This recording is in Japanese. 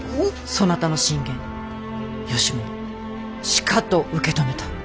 そなたの進言吉宗しかと受け止めた。